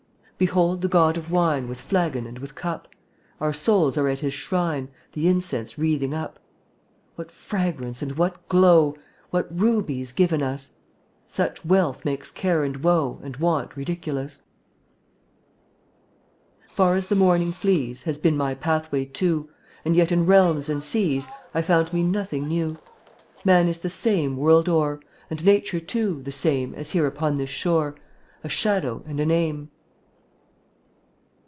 Behold the God of Wine dDwt&t With flagon and with cup! „ Our souls are at his shrine, \J*£' The incense wreathing up. tfilttrt" What fragrance and what glow! J What rubies given us! Such wealth makes care and woe And want ridiculous. Far as the morning flees Has been my pathway, too, And yet in realms and seas I found me nothing new. Man is the same, world o'er, And nature, too, the same As here upon this shore — A shadow and a name.